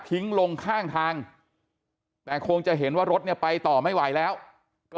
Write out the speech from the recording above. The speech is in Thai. ลงข้างทางแต่คงจะเห็นว่ารถเนี่ยไปต่อไม่ไหวแล้วก็